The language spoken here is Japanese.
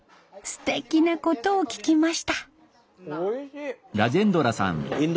すてきなことを聞きました。